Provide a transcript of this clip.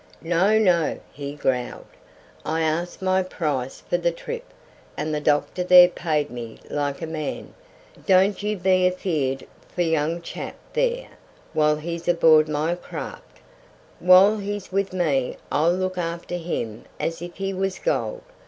"No, no," he growled; "I asked my price for the trip, and the doctor there paid me like a man. Don't you be afeared for young chap there while he's aboard my craft. While he's with me I'll look after him as if he was gold.